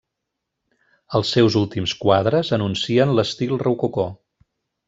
Els seus últims quadres anuncien l'estil rococó.